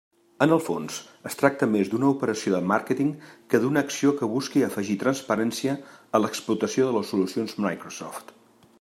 En el fons, es tracta més d'una operació de màrqueting que d'una acció que busqui afegir transparència a l'explotació de les solucions Microsoft.